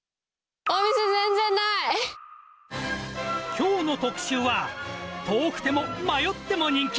きょうの特集は、遠くても迷っても人気。